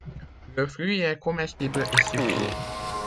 Le fruit est comestible et sucré.